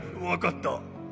分かった。